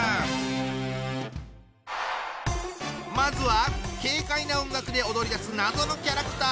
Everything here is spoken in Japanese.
まずは軽快な音楽で踊りだす謎のキャラクター！